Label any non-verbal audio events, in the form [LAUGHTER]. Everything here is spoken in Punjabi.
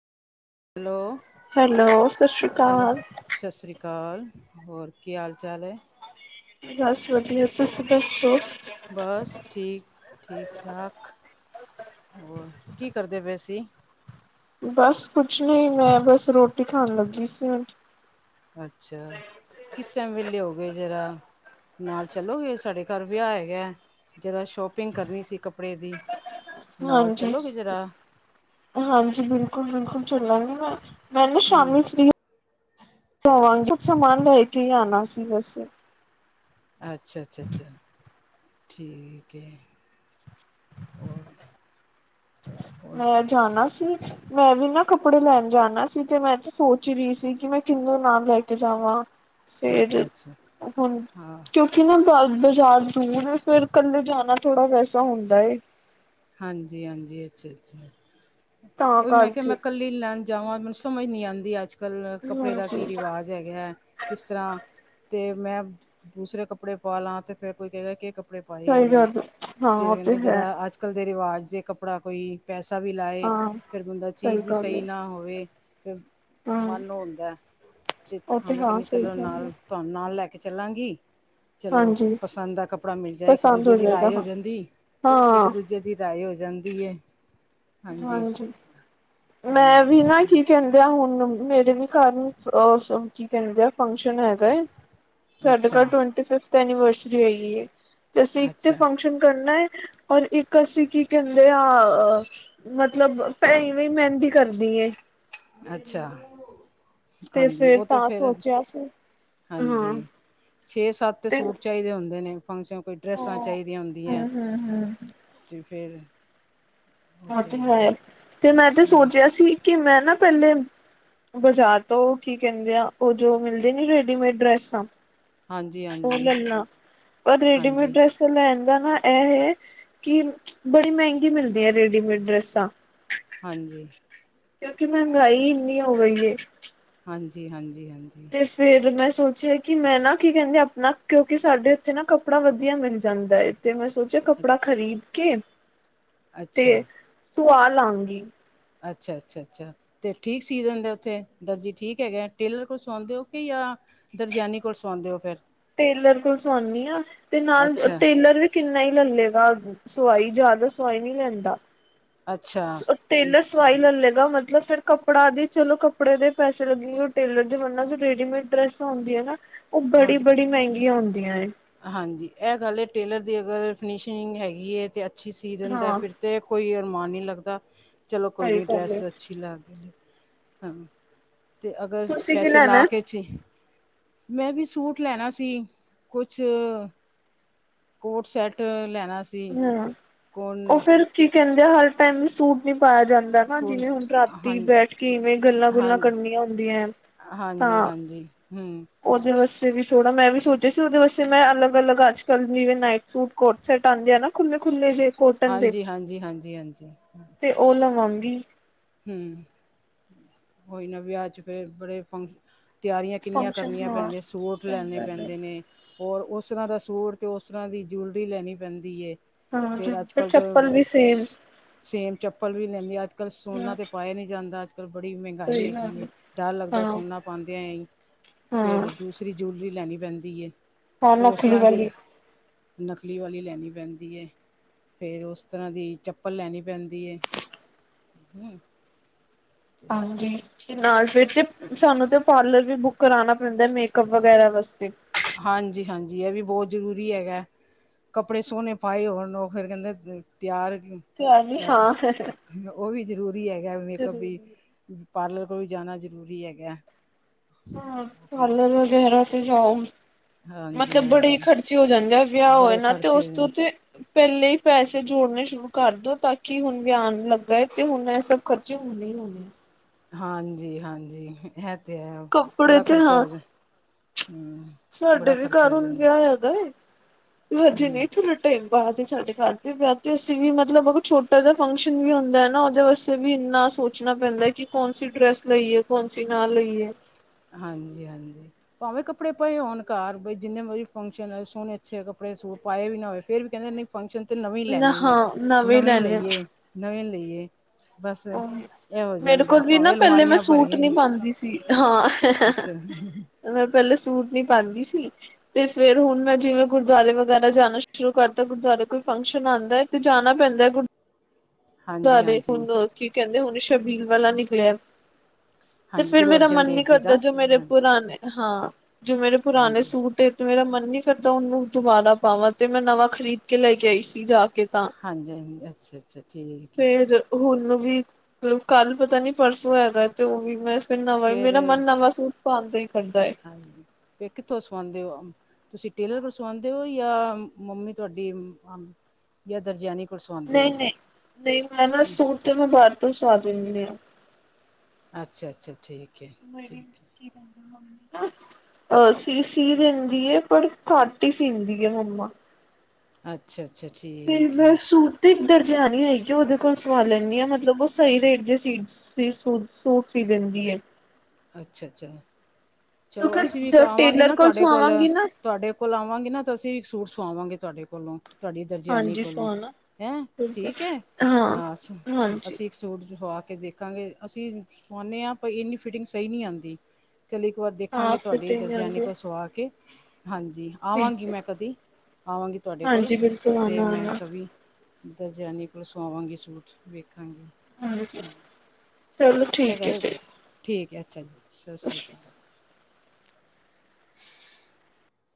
ਹੈਲੋ, ਹੈਲੋ ਸਤਿ ਸ਼੍ਰੀ ਹੈਲੋ। ਅਕਾਲ ਸਸ ਸ੍ਰੀ ਕਾਲ ਹੋਰ ਕੀ ਹਾਲ-ਚਾਲ ਏ? ਬਸ ਵਦੀਆ, ਤੁਸੀਂ ਦੱਸੋ? ਬਸ ਠੀਕ, ਠੀਕ-ਠਾਕ। ਹੋਰ ਕੀ ਕਰਦੇ ਵੇ ਸੀ। ਬਸ ਕੁਛ ਨਈ ਮੈਂ ਬਸ ਰੋਟੀ ਖਾਣ ਲੱਗੀ ਸੀ। ਅੱਛਾ ਕਿਸ ਟਾਈਮ ਵੇਲੇ ਹੋਗਏ ਜਰਾ ਨਾਲ ਚੱਲੋਗੇ ਸਾਡੇ ਘਰ ਵਿਆਹ ਹੈਗਾ ਜਰਾ ਸ਼ੋਪਿੰਗ ਨਾਲ ਹਾਂਜੀ, ਚੱਲੋਗੇ ਜਰਾ ਹਾਂਜੀ ਬਿਲਕੁਲ-ਬਿਲਕੁਲ ਚੱਲਾਂਗੀ ਮੈਂ। ਮੈਂ ਨਾ ਹਮ ਸ਼ਾਮੀ ਫਰੀ, ਹੋਵਾਂਗੀ ਕੁਛ ਸਮਾਨ ਲੈ ਕੇ ਈ ਆਣਾ ਸੀ ਵੈਸੇ। ਅੱਛਾ, ਅੱਛਾ, ਅੱਛਾ, ਠੀਕ ਏ ਹੋਰ। ਹੋਰ ਮੈ ਜਾਣਾ ਸੀ ਮੈਂ ਵੀ ਨਾ ਕੱਪੜੇ ਲੈਣ ਜਾਣਾ ਸੀ ਤੇ ਮੈਂ ਤੇ ਸੋਚ ਈ ਰੀ ਸੀ ਕਿ ਮੈਂ ਕਿੰਨੂੰ ਨਾਲ ਲੈ ਕੇ ਜਾਵਾਂ। ਸੇਜ ਅੱਛਾ ਅੱਛਾ ਹੁਣ ਹਾਂ ਚੁੱਪ। ਕਿੰਨੇ ਬਾ- ਬਾਜ਼ਾਰ ਦੂਰ, ਫੇਰ ਕੱਲੇ ਜਾਣਾ ਥੋੜ੍ਹਾ ਵੈਸਾ ਹੁੰਦਾ ਏ। ਹਾਂਜੀ-ਹਾਂਜੀ। ਅੱਛਾ-ਅੱਛਾ। ਤਾਂ ਉਹੀ ਮੈਂ ਕਿਹਾ ਮੈਂ ਕਰਕੇ ਕੱਲੀ ਲੈਣ ਜਾਵਾਂ। ਮੈਨੂੰ ਸਮਝ ਨਹੀਂ ਆਉਂਦੀ ਅੱਜ-ਕੱਲ ਕੱਪੜੇ ਦਾ ਹਾਂਜੀ ਕੀ ਰਿਵਾਜ਼ ਹੈਗਾ ਹੈ। ਕਿਸ ਤਰ੍ਹਾਂ ਤੇ ਮੈਂ ਦੂਸਰੇ ਕੱਪੜੇ ਪਾ ਲਾ। ਤੇ ਫੇਰ ਕੋਈ ਕਹਿਗਾ ਕਿ ਕੱ ਕੱਪੜੇ ਪਾਏ ਸਹੀ ਇਹਨੇ, ਗੱਲ ਹਾਂ ਤੇ ਉਹ ਮੈਨੂੰ ਹੈ ਜਿਹੜਾ ਅੱਜ ਕਲ ਦੇ ਰਿਵਾਜ਼ ਦੇ ਕੱਪੜਾ ਕੋਈ, ਪੈਸਾ ਵੀ ਲਾਏ ਹਾਂ ਫਿਰ ਬੰਦਾ ਚੀਜ਼ ਵੀ ਗੱਲ ਹੈ ਸਹੀ ਨਾ ਹੋਵੇ। ਤੇ ਹਾਂ ਮਨ ਹੁੰਦਾ ਐ। ਤੇ ਉਹ ਤਾਂ ਮੈਂ ਹਾਂ ਕਹਿੰਦੀ ਸਹੀ ਚਲੋ ਗੱਲ ਹੈ ਨਾਲ ਤੁਹਾਨੂੰ ਨਾਲ ਲੈ ਕੇ ਚੱਲਾਂਗੀ। ਚਲੋ, ਹਾਂਜੀ ਪਸੰਦ ਦਾ ਕੱਪੜਾ ਮਿਲ ਜਾਏ। ਇੱਕ ਪਸੰਦ ਦੂਜੇ ਦੀ ਜਾਏਗਾ ਰਾਏ ਹੋ ਹਾਂ ਜਾਂਦੀ। ਹਾਂ ਇੱਕ ਦੂਜੇ ਦੀ ਰਾਏ ਹੋ ਜਾਂਦੀ ਏ। ਹਾਂਜੀ। ਮੈਂ ਵੀ ਨਾ ਹਾਂਜੀ ਕੀ ਕਹਿੰਦੇ ਆ ਹੁਣ ਮੇਰੇ ਵੀ ਘਰ ਵਿੱਚ, ਅਹ ਕੀ ਕਹਿੰਦੇ ਐ। ਫੰਕਸ਼ਨ ਹੈਗਾ। ਸਾਡੇ ਅੱਛਾ ਘਰ ਟਵੰਟੀ-ਫਿਫਥ ਐਨੀਵਰਸਰੀ ਹੈਗੀ ਐਂ। ਤੇ ਅਸੀਂ ਇੱਕ ਤੇ ਅੱਛਾ ਫੰਕਸ਼ਨ ਕਰਨਾ ਐ। ਔਰ ਇੱਕ ਅਸੀਂ ਕੀ ਕਹਿੰਦੇ ਆ। ਮਤਲਬ, ਭੈਣ ਵੀ ਮਹਿੰਦੀ ਕਰਨੀ ਏ। ਅੱਛਾ। ਤੇ ਹਾਂਜੀ ਫੇਰ ਉਹ ਤਾਂ ਫਿਰ ਸੋਚਿਆ ਸੀ ਹਾਂ ਹਾਂਜੀ। ਛੇ-ਸੱਤ ਤੇ ਸੂਟ ਚਾਹੀਦੇ ਹੁੰਦੇ ਨੇ। ਫੰਕਸ਼ਨ ਕੋਈ ਡਰੈੱਸਾਂ ਹੂੰ ਚਾਹੀਦੀਆਂ ਹੁੰਦੀਆਂ। ਹੂੰ ਹੂੰ ਤੇ ਫੇਰ ਹੱਥ ਲਵਾਇਆ ਐ। ਤੇ ਮੈਂ ਤੇ ਹੂੰ ਸੋਚਹਾ ਸੀ, ਕਿ ਮੈਂ ਨਾ ਪਹਿਲੇ ਬਾਜ਼ਾਰ ਤੋਂ ਕੀ ਕਹਿੰਦੇ ਆ। ਉਹ ਜੋ ਮਿਲਦੇ ਨੀ ਰੇਡੀਮੇਡ ਡਰੈਸਾਂ। ਹਾਂਜੀ ਉਹ ਹਾਂਜੀ ਲੈਣਾ। ਪਰ ਰੇਡੀਮੇਡ ਹਾਂਜੀ ਡਰੈਸ ਲੈਣ ਦਾ ਨਾ ਇਹ ਹੈ। ਕਿ ਬੜੀ ਮਹਿੰਗੀ ਮਿਲਦੀ ਏ ਰੇਡੀਮੇਡ ਡਰੈਸਾਂ। ਹਾਂਜੀ ਕਿਉਂਕਿ ਮਹਿੰਗਾਈ ਇੰਨੀ ਹੋ ਗਈ ਏ। ਹਾਂਜੀ ਹਾਂਜੀ ਹਾਂਜੀ ਫੇਰ ਮੈਂ ਸੋਚਿਆ ਕਿ, ਮੈਂ ਨਾ ਕੀ ਕਹਿੰਦੇ ਆਪਣਾ। ਕਿਉਂਕਿ ਸਾਡੇ ਇੱਥੇ ਨਾ ਕੱਪੜਾ ਵਧੀਆ ਮਿਲ ਜਾਂਦਾ ਏ। ਇੱਥੇ ਮ ਸੋਚਿਆ ਕੱਪੜਾ ਅ- ਖ਼ਰੀਦ ਕੇ, ਅੱਛਾ ਤੇ ਸੁਆ ਲਾਂਗੀ। ਅੱਛਾ ਅੱਛਾ ਅੱਛਾ ਤੇ ਠੀਕ ਸੀ ਦਿੰਦੇ ਉੱਥੇ, ਦਰਜੀ ਠੀਕ ਹੈਗਾ। ਟੇਲਰ ਕੋਲ ਸੌਉਦੇ ਓ ਕਿ ਜਾਂ ਦਰਜਿਆਨੀ ਕੋਲ ਸਵਾਉਂਦੇ ਹੋ ਫਿਰ ਟੇਲਰ ਕੋਲ ਸਵਾਉਂਦੀ ਆ। ਤੇ ਨਾਲ ਅੱਛਾ ਟੇਲਰ ਵੀ ਕਿੰਨਾ ਲੱਲੇਗਾ ਸਵਾਈ। ਜਿਆਦਾ ਸਵਾਈ ਨੀ ਲੈਂਦਾ। ਅੱਛਾ ਟੇਲਰ ਸਵਾਈ ਲੈ ਲੇਗਾ। ਮਤਲਬ ਮਤਲਬ, ਫਿਰ ਕੱਪੜਾ ਦੀ ਚਲੋ, ਕੱਪੜੇ ਦੇ ਪੈਸੇ ਲੱਗੇ ਗੇ। ਟੇਲਰ ਦੇ ਵਰਨਾ ਚ ਰੇਡੀਮੇਡ ਡਰੈਸਾਂ ਆਉਂਦੀ ਨਾ ਉਹ ਬੜੀ-ਬੜੀ ਮਹਿੰਗੀਆਂ ਹੁੰਦੀਆਂ ਏ। ਹਾਂਜੀ। ਇਹ ਗੱਲ ਹੈ, ਟੇਲਰ ਦੀ ਅਗਰ ਫਿਨਿਸ਼ਿੰਗ ਹੈਗੀ ਹੈ। ਤਾਂ ਅੱਛੀ ਸੀ ਦਿੰਦਾ ਹਾਂ ਫਿਰ ਤੇ ਕੋਈ ਅਰਮਾਨ ਨਹੀਂ ਲੱਗਦਾ। ਚਲੋ ਕੋਈ ਸਹੀ ਨਹੀਂ ਗੱਲ ਡਰੈਸ ਹੈ ਅੱਛੀ ਲਾਗੀ ਹੂੰ, ਅਗਰ ਤੁਸੀਂ ਕੀ ਪੈਸੇ ਲਾਗਾ ਲੈਣਾ ਕੇ ਚੀ ਮੈਂ ਵੀ ਸੂਟ ਲੈਣਾ ਸੀ। ਕੁਛ- ਕੋਟ ਸੈਟ ਲੈਣਾ- ਸੀ ਹਮ ਕੋਣ ਉਹ ਫੇਰ ਕੀ ਕਹਿੰਦੇ ਆ ਹਰ ਟਾਈਮ ਵੀ ਸੂਟ ਨੀ ਪਾਇਆ ਜਾਂਦਾ। ਜਿਵੇਂ ਹੁਣ ਰਾਤੀ ਹਾਂਜੀ ਬੈਠ ਕੇ ਇਵੇਂ ਗੱਲਾਂ ਹਾਂ ਗੁੱਲਾਂ ਕਰਨੀਆਂ ਹੁੰਦੀਆਂ ਤਾਂ ਹੂ ਉਹਦੇ ਵਾਸਤੇ ਵੀ ਥੋੜਾ ਮੈਂ ਵੀ ਸੋਚਿਆ ਸੀ। ਉਹਦੇ ਵਾਸਤੇ ਮੈਂ ਅਲੱਗ- ਅਲੱਗ ਅੱਜ-ਕੱਲ੍ਹ ਜਿਵੇਂ, ਨਾਈਟ ਸੂਟ ਕੋਟ-ਸੈਟ ਆਉਂਦੇ ਆ ਨਾ। ਖੁੱਲੇ- ਖੁੱਲੇ ਜੇ, ਕੋਟਨ ਦੇ ਹਾਂਜੀ ਹਾਂਜੀ ਹਾਂਜੀ ਹਾਂਜੀ ਤੇ ਉਹ ਲਗਾਗੀ। ਹੂੰ, ਹੁਣ ਵਿਆਹ 'ਚ ਫਿਰ ਬੜੇ ਫੰਕਸ਼ਨ ਤਿਆਰੀਆਂ ਕਿੰਨੀਆਂ ਫੰਕਸ਼ਨ ਕਰਨੀਆਂ ਹਾਂ ਪੈਂਦੀਆਂ। ਸੂਟ ਸਹੀ ਲੈਣੇ ਗੱਲ ਹੈ ਪੈਂਦੇ ਨੇ ਹੋਰ, ਉਸ ਤਰ੍ਹਾਂ ਦਾ ਸੂਟ ਤੇ ਉਸ ਤਰ੍ਹਾਂ ਦੀ ਜੁਲਰੀ ਲੈਣੀ ਪੈਂਦੀ ਏ। ਹਾਂ ਫੇਰ ਅੱਜ ਫਿਰ ਕੱਲ੍ਹ ਤਾਂ ਚੱਪਲ ਵੀ ਸੇਮ ਸੇਮ ਚੱਪਲ ਵੀ ਲੈਂਦੀ ਅੱਜ ਕੱਲ੍ਹ ਹਾਂ ਸੋਨਾ ਤੇ ਪਾਇਆ ਨੀ ਜਾਂਦਾ ਅੱਜ ਫੇਰ ਬੜੀ ਮਹਿੰਗਾਈ ਸਹੀ ਹੈਗੀ ਗੱਲ ਹੈ ਡਰ ਲੱਗਦਾ ਹਾਂ ਸੋਨਾ ਪਾਦਿਆ ਈ ਹਾਂ ਫੇਰ ਦੂਸਰੀ ਜਊਲਰੀ ਲੈਣੀ ਪੈਂਦੀ ਏ। ਹਾਂ ਫੇਰ ਨਕਲੀ ਉਸਰਾ ਦੀ ਵਾਲੀ ਨਕਲੀ ਵਾਲੀ ਲੈਣੀ ਪੈਂਦੀ ਐ ਫਿਰ ਉਸ ਤਰ੍ਹਾਂ ਦੀ ਚੱਪਲ ਲੈਣੀ ਪੈਂਦੀ ਐ। ਹਮ ਹਾਂਜੀ ਤੇ ਨਾਲ ਫਿਰ ਚ ਤੇ ਸਾਨੂੰ ਤੇ ਪਾਰਲਰ ਵੀ ਬੁੱਕ ਕਰਾਣਾ ਪੈਂਦਾ ਮੇਕਅਪ ਵਗੈਰਾ ਵਾਸਤੇ। ਹਾਂਜੀ-ਹਾਂਜੀ ਇਹ ਵੀ ਬਹੁਤ ਜ਼ਰੂਰੀ ਹੈਗਾ। ਕੱਪੜੇ ਸੋਹਣੇ ਪਾਏ ਹੋਨ ਉਹ ਫਿਰ ਕਹਿੰਦੇ ਤਿਆਰ ਤੇ ਆ ਵੀ ਕਰ ਹਾਂ ਉਹ ਵੀ ਜ਼ਰੂਰੀ ਹੈ ਕਿ ਮੇਕਅੱਪ ਵੀ। ਜ਼ਰੂਰੀ ਪਾਰਲਰ ਕੋਲ ਜਾਣਾ ਜਰੂਰੀ ਹੈਗਾ। ਹਮ ਉਹ ਫਿਰ ਪਾਰਲਰ ਵਗੈਰਾ ਤੇ ਜਾਓ ਹਾਂਜੀ ਮਤਲਬ ਬੜੇ ਹਾਂਜੀ ਖਰਚੇ ਹੋ ਜਾਂਦੇ ਆ ਵਿਆਹ ਹੋਏ ਬੜੇ ਨਾ ਤੇ ਖਰਚੇ ਉਸ ਤੋਂ ਹੋ, ਤੇ ਪਹਿਲੇ ਹੀ ਪੈਸੇ ਜੋੜਨੇ ਸ਼ੁਰੂ ਕਰ ਦੋ ਤਾਂਕਿ ਹੁਣ ਵਿਆਹ ਲੱਗਾ ਏ ਤੇ ਹੁਣ ਇਹ ਸਭ ਖਰਚੇ ਹੋਣੇ ਹੀ ਹੋਣੇ ਹੈ। ਹਾਂਜੀ-ਹਾਂਜੀ ਇਹ ਤੇ ਹੈ ਕੱਪੜੇ ਬੜਾ ਤੇ ਖ਼ਰਚਾ ਹਾਂ ਹੋ ਜਾ ਹਮ। ਸਾਡੇ ਵੀ ਘਰ ਹੁਣ ਵਿਆਹ ਹੈਗਾ ਏ ਹਜੇ ਨੀ ਹੂੰ ਥੋ ਟਾਈਮ ਬਾਦ ਏ ਸਾਡੇ ਘਰ ਤੇ ਵਿਆਹ ਤੇ ਅਸੀਂ ਵੀ ਮਤਲਬ ਛੋਟ ਜਿ ਫਕਸ਼ਨ ਵੀ ਹੁੰਦਾ ਹੈ ਨਾ ਉਹਦੇ ਵਾਸਤੇ ਵੀ ਇੰਨਾ ਸੋ ਸੋਚਣਾ ਪੈਂਦਾ ਕਿ ਕੌਣ ਸੀ ਡਰੈਸ ਲਈਏ ਕੌਣਸੀ ਨਾ ਲਈਏ। ਹਾਂਜੀ-ਹਾਂਜੀ ਭਾਵੇਂ ਕੱਪੜੇ ਪਾਏ ਹੋਣ ਘਰ ਬਈ ਜਿੰਨੇ ਮਰਜ਼ੀ ਫੰਕਸ਼ਨ ਹੈਏ ਸੋਹਣੇ ਅੱਛੇ ਕੱਪੜੇ ਪਾਏ ਵੀ ਨਾ ਹੋਏ ਫਿਰ ਵੀ ਕਹਿੰਦੇ ਨੇ ਫੰਕਸ਼ਨ ਤੇ ਨਵੇਂ ਨਾ ਲੈਣੇ ਨੇ ਹਾਂ ਨਵੇਂ ਲੈਣੇ ਲਈਏ, ਨਵੇਂ ਲਈਏ। ਬਸ ਇਹ ਹੋ ਮੇਰੇ ਜਾਂਦਾ ਕੋਲ ਵੀ ਨਾ ਭਾਵੇਂ ਪਹਿਲੇ ਮੈਂ ਅਲਮਾਰੀਆਂ ਸੂਟ ਭਰੀਆਂ ਨੀ ਹੀ ਪਾਉਦੀ ਸੀ। ਹਾਂ ਅੱਛਾ ਮੈਂ ਪਹਿਲੇ ਸੂਟ ਨੀ ਪਾਦੀ ਸੀ। ਤੇ ਫੇਰ ਹੁਣ ਮੈਂ ਜਿਵੇਂ ਗੁਰਦੁਆਰੇ ਵਗੈਰਾ ਜਾਣਾ ਸ਼ੁਰੂ ਕਰਤਾ ਗੁਰਦੁਆਰੇ ਕੋਈ ਫੰਕਸ਼ਨ ਆਦਾ ਤੇ ਜਾਣਾ ਪੈਂਦਾ ਗੁਰ ਹਾਂਜੀ ਦੁਆਰੇ ਹਾਂਜੀ ਹੁਣ ਕੀ ਕਹਿੰਦੇ ਹੁਣ ਸ਼ਬੀਲ ਵਾਲਾ ਨਿਕਲਿਆ ਤੇ ਹਾਂਜੀ ਫੇਰ ਗੁਰੂ ਮੇਰਾ ਅਰਜਨ ਮਨ ਨਹੀਂ ਦੇਵ ਜੀ ਦਾ ਕਰਦਾ ਜੋ ਮੇਰੇ ਹਾਂਜੀ ਪੁਰਾਣੇ ਹਾਂ ਜੋ ਮੇਰੇ ਪੁਰਾਣੇ ਹਾਂਜੀ ਸੂਟ ਏ ਤੇ ਮੇਰਾ ਮਨ ਨੀ ਕਰਦਾ ਉਹਨੂੰ ਦੁਬਾਰਾ ਪਾਵਾਂ ਤੇ ਮੈਂ ਨਵਾਂ ਖਰੀਦ ਕੇ ਲੈ ਕੇ ਆਈ ਸੀ ਜਾ ਕੇ ਤਾਂ। ਹਾਂਜੀ-ਹਾਂਜੀ ਅੱਛਾ-ਅੱਛਾ। ਫੇਰ ਹੁਣ ਵੀ ਕੱਲ ਪਤਾ ਨੀ ਪਰਸੋਂ ਹੈਗਾ ਤੇ ਉਹ ਵੀ ਮੈਂ ਤੇ ਨਵਾਂ ਹੀ ਫਿਰ ਮੇਰਾ ਮਨ ਨਵਾਂ ਸੂਟ ਪਾਨ ਤੇ ਹੀ ਕਰਦਾ ਏ। ਹਾਂਜੀ ਫ ਕਿੱਥੋਂ ਸਵਾਉਦੇ ਹੋ। ਤੁਸੀਂ ਟੇਲਰ ਸਵਾਉਂਦੇ ਹੋ ਜਾਂ ਮੰਮੀ ਤੁਹਾਡੀ ਜਾਂ ਦਰਜਨੀ ਨਹੀਂ-ਨਹੀਂ, ਨਹੀਂ ਮੈਂ ਨਾ ਸੂਟ ਤੇ ਮੈਂ ਬਾਹਰ ਤੋਂ ਸਵਾ ਦਿੰਦੀ ਹਾ। ਅੱਛਾ-ਅੱਛਾ ਠੀਕ। ਮੇਰੀ ਕੀ ਕਹਿੰਦੇ ਮੰਮੀ ਅਹ ਸੀ ਸੀ ਦਿੰਦੀ ਹੈ ਪਰ ਘੱਟ ਹੀ ਸੀਂਦੀ ਹੈ ਮੰਮਾ। ਅੱਛਾ-ਅੱਛਾ ਠੀ ਤੇ ਮੈਂ ਸੂਤੀ ਦਰਜਿਆਨੀ ਹੈਗੀ ਆ ਉਹਦੇ ਕੋਲ ਸਵਾ ਲੈਂਨੀ ਆਂ ਮਤਲਬ ਓਹ ਸਹੀ ਰੇਟ ਦੇ ਸੀ ਸੂਟ ਸੀ ਦਿੰਦੀ ਹੈ। ਅੱਛਾ-ਅੱਛਾ ਚਲੋ ਅਸੀਂ ਵੀ ਕਿਉਂਕਿ ਆਵਾਂਗੇ ਟੇਲਰ ਨਾ ਤੁਹਾਡੇ ਕੋਲ ਸਵਾਵਾਂਗੀ ਨਾ ਤੁਹਾਡੇ ਕੋਲ ਆਵਾਂਗੇ ਨਾ ਤਾਂ ਅਸੀਂ ਵੀ ਸੂਟ ਸਵਾਵਾਂਗੇ ਤੁਹਾਡੇ ਕੋਲੋ। ਤੁਹਾਡੀ ਦਰਜਿਆਨੀ ਹਾਂਜੀ ਕੋਲੋਂ ਸਵਾਣਾ ਹੈਂ ਬਿਲਕੁਲ ਠੀਕ ਹੈ ਹਾਂ ਹਾਂਜੀ ਅਸੀ ਸੂਟ ਸਵਾ ਕੇ ਦੇਖਾਂਗੇ ਅਸੀਂ ਸਵਾਨੇ ਹਾਂ ਪਈ ਇੰਨੀ ਫਿਟਿੰਗ ਸਹੀ ਨੀ ਆਂਦੀ ਚਲ ਇਕ ਤ ਹਾਂ ਦੇਖਾਂਗੇ ਫਿਰ ਤੁਹਾਡੀ ਟ੍ਰੇਨ ਦਰਜਿਆਨੀ ਜਾਂਦੀ ਹੈ ਕੋਲ ਸੂਆ ਕੇ ਹਾਂਜੀ। ਆਵਾਂਗੀ ਠੀਕ ਹੈ। ਮੈਂ ਕਦੀ ਆਵਾਂਗੀ ਤੁਹਾਡੇ ਕੋਲ ਹਾਂਜੀ ਬਿਲਕੁਲ ਅਤੇ ਆਣਾ ਮੈਂ ਆਣਾ ਕਵੀ ਦਾਂਜਨੀ ਕੋਲ ਸੂਆਵਾਗੀ ਸੂਟ ਵੇਖਾਂਗੀ। ਹਾਂਜੀ ਹ, ਚਲੋ ਇਹ ਠੀਕ ਹੈ ਗੱਲ, ਫਿਰ ਠੀਕ ਐ। ਅੱਛਾ ਜੀ, ਸਸ ਸ੍ਰੀ ਕਾਲ। [UNINTELLIGIBLE]